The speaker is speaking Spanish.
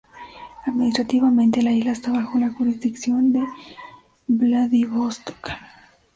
Administrativamente la isla está bajo la jurisdicción de Vladivostok.